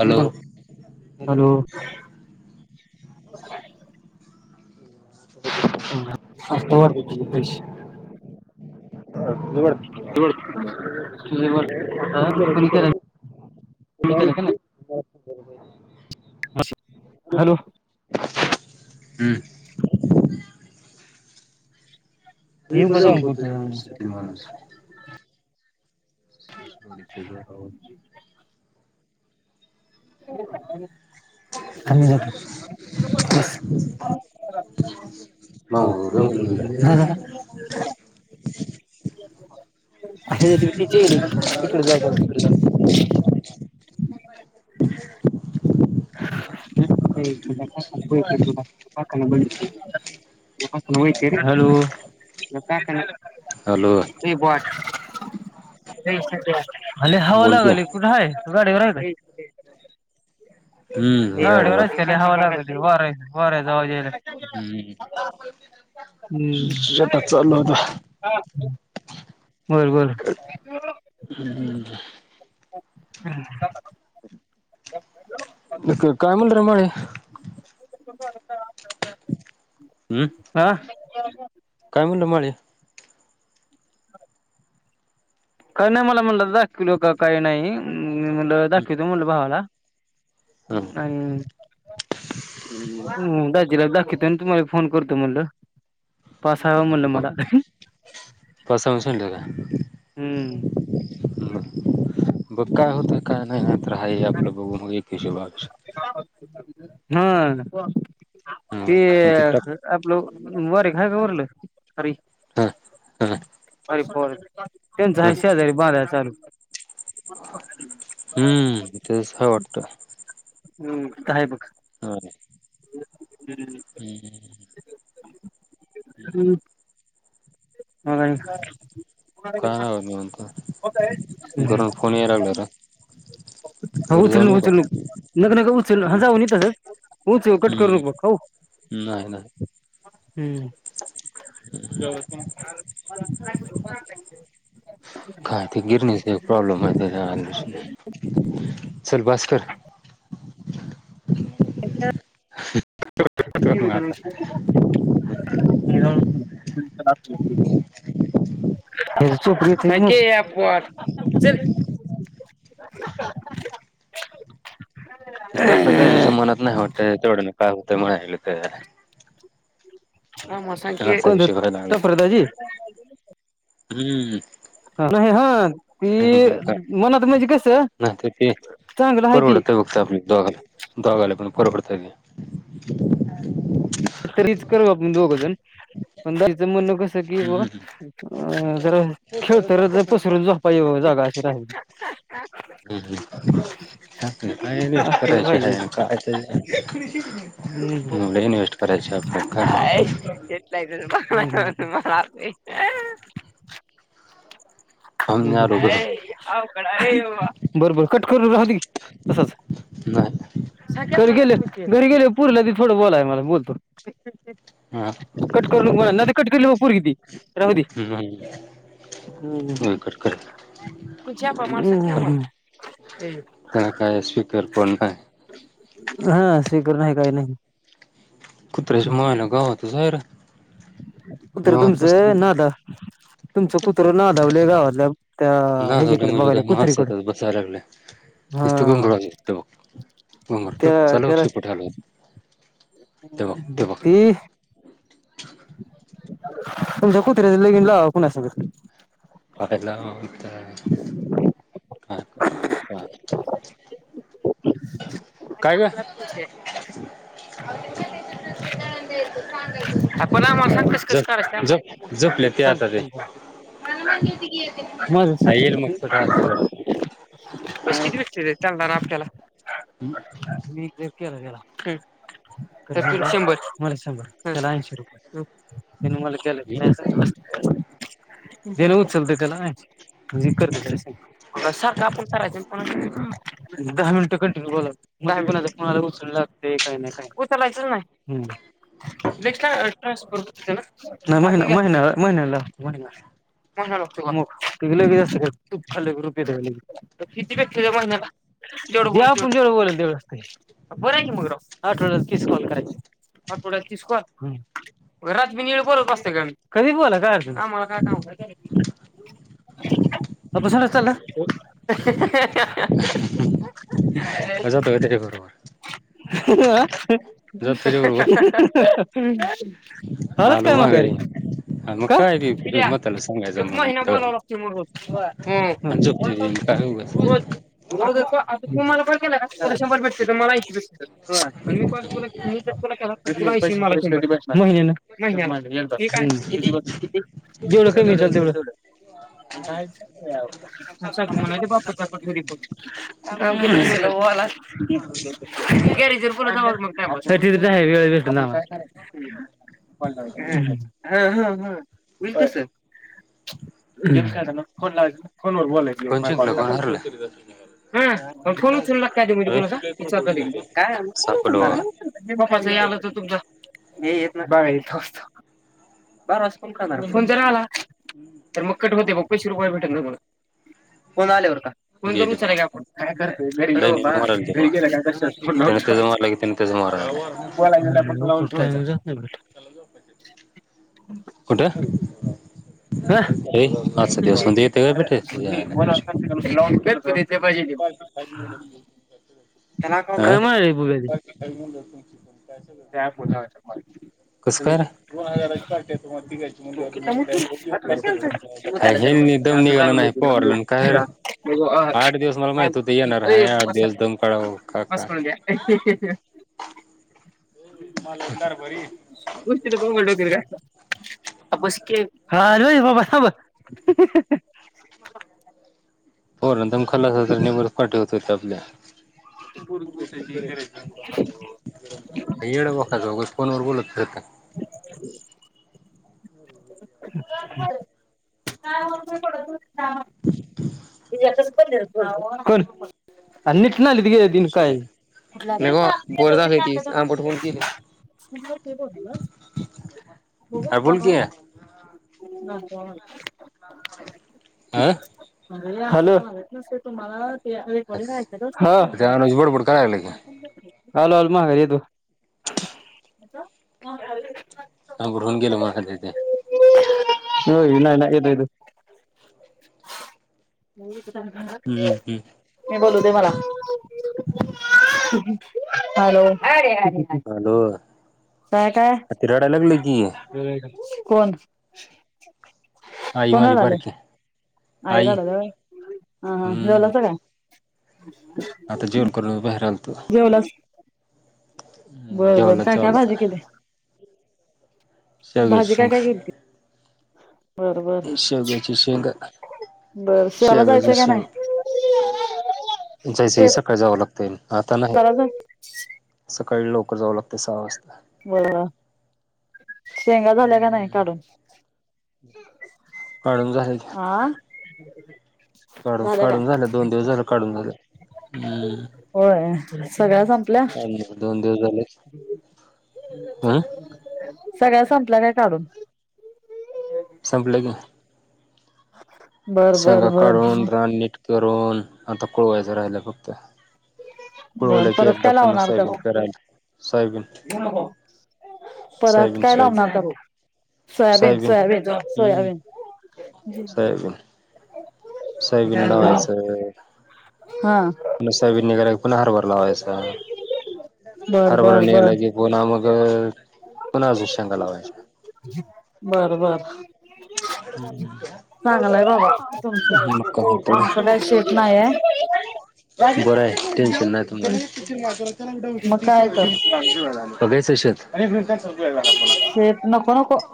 Hello hello ह आस्ता बश [inaudible] कोणी काय बरोबर हॅलो हम् एव बाकत शक आमहीला मरलला [inaudible] अ तिचे येली तकडे जाऊ तिकडे जाऊ [inaudible] ते बट ले हव लागल कुठे आहेू गाडीवर आहे का हव के हवा ला बरं आहे बरं जाऊज हम्म हम्म हम होय होय हा काय म्हणलं रे मले कोन जर का हा त्या शिवाय काय म्हणलं माळी काय नाही मला म्हणलं दाखविल का काही नाही म्हटलं दाखवितो म्हटलं भावाला नाही अ दाख तिला दाखवितो आणि तुम्हाला फोन करतो म्हणलं बर बसन सोडलं काय हम्म बघ काय होते काय नाही हाय हे आपलं बघू मग एक हिशोबाच हा नको तेआपलं वर घ चोरलं अरे अरे पर का त्यांचा असच हे बारा साली [unintelligible] हम्म. तेच आहे वाटतं हम्म काही बघ. हा. हम्म. हम्म [inaudible] [unintelligible] उचल उचल नक नक उचल ह जाऊ न तस उचवू कट करू नक बघ हो. हम्म. च काय ते गिरणी प्रॉब्लेम [unintelligible] आहेस चल बसकर. [unintelligible] [unintelligible] चल [unintelligible] [unintelligible] त्या [unintelligible] मनात नाही वाटत तेवढं न का होते [unintelligible] [unintelligible] हम्म नाही हा मग काय नाही तर ते परवडत आहे बघत आपल्या दोघाला दोघाला पण परवडत घ्या. [unintelligible] तरीच करू आपण दोघजण पणचं ताईचं म्हणण कस [unintelligible] [unintelligible] हम्म हम्म वेस्ट करायची आहे काय वेस्ट येतय [unintelligible] मला [unintelligible] बर बर कट करू राहू दे की तसच घरी गेल घरी गेल पोरीला बी थोडं बोलाया आता बोलतो कट करू ना तर कट करली पोरी ती राहू दे हम्म कट करू त्यांला काय स्पीकर फोन नाही. हा स्पीकर नाही काही नाही कुत्र्याच्या [unintelligible] गावातून बाहेर कुत्र तुमचं नादा तुमच कुत्र नादावले गावात ना झालं म्हणजे का माणसात बसायला लागल निस्ता कबर हलवतय ते बघ चाल बाग शेपू हलवत [unintelligible] ते [unintelligible] तुमच्या कुत्र्याचा लई लळा कोणासोबत [unintelligible] [unintelligible] [unintelligible] ण आम्हाला सांगतास कस करायच आम्हाला सांगत म चचा रा अटला हम् केला गेला शर मला शंभरला ऐंशीे रुपये त मला केले जलच चलत केला करत त स स का आपण चालायचं दहा मिनिटं कंटिन्यू बोलात मग आहे पणचं कोणाला उचल लागते काही नाही काय उलायच नाही ट्सर नाहीहि महिन्या महिन्याला महिहितो मूप रुयेे कितीे महिन्याला ज आपण जेवढं बोला तेवढ अस बोयची मग आठवड्यात तीस कॉल करायची आठवड्यात तीस कॉल रात म नि बोला बसते का कधी बोला काला का का आप स ल ना ह [inaudible] हलच काय मागारी का किथ एक महिना पवलाज आता तू मला पण केलायला शंभर भेटते मलायेटते मीण तुला मी तुलाला मला महिन्यान महिन्या जेवढं कमी ल तेवढं सांग म्ह बाप्पा चाकि ला गॅरीर पु मग आहे वे बे ना ा ह हा बते फण लाव फोन व बोललाय काय कॉल करत हाग फोन उचललागताय तुम्ही कुणाचा विचार कायपा आलं तर तुमच ये येत नाही बाोत बरंज फोन करणार फोन जर आला तर मग कट होते मग पै ट व का गेले काय करतोय घरी बा घरी गेला काय करत लावतो बला लाव हा अरे म्ह म अस ला काय र चा म मस म्ह्या उच पंगल टोकर का अ बस की हारे भाबाब [inaudible] ही होना दम खाल्ला अस तर नेबर पाठीवत हो आपल्या येड बखाचघ फोन व बोलत हो का [inaudible] का का हो थोड [inaudible] क लि गे तन काही ह हे ब ना हो ना ह का ठीक आहे हॅलो न तुमला णी जायचं काल आल म कर तू ह ग्रहण घलो मणा खदी ते हो ये नाय ना ययेत म मी बोलू दे मला हलो ह अलो आ ती रडायला लागली की कोण आई माझी भर की आई काडला ह हा जवलाच का आता जेवण करून बाहेर जेवलाच बरं बर काय काय भाजी केली? शेवगाची शेंग. [inaudible] शेवग्याची शेंगा, शेवग्याची शेंग जायचय सकाळी जावं लाग [inaudible] [unintelligible] काही लवकर जाव लागते सहा वाजता ' बोला. शेंगा झाल्या का नाही काढून? आ [unintelligible] काढू काढून झालं दोन दिवस झालं काढून झालं हम्म. [unintelligible] दोन दिवस झाले. [unintelligible] सगळ्या संपल्या काय काढून? संपले का? [inaudible] बरं बरं बरं. रोल आता कुळवायचं राहिलं फक्तं. कुळवलं की एकदा पुन्हा सोयाबीन करायला सोयाबीन. परत काय लावणार? Soybean soybean soybean. पुन्हा सोयाबिन निघाला पुन्हा हरभरा लावायचा हरभरा निघाला की पुन्हा मगं [unintelligible] पुन्हा आजून शेंगा लावायच्या. बरं बरं. बरं आहे टेन्शन नाही तुम्हाला बघा शेत. शेत नको नको.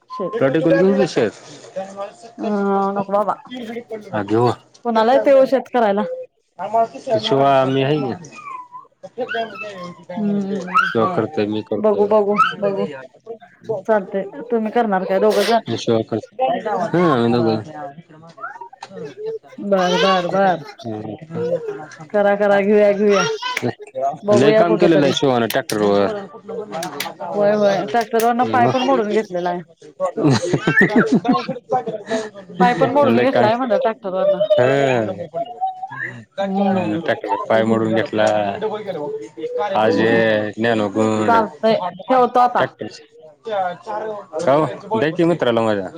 [unintelligible] [inaudible] [unintelligible] शभमी ह. [inaudible] शिवा करतय मी करतय. [inaudible] लय काम केलेल आहे शिवान ट्रॅक्टर वर. मग. ह ट्रॅक्टर वरण पाय मोडून घेतला अजय ज्ञानो गुंड ट्रॅक्टरची. [inaudible] हो द्या की मित्राला माझ्या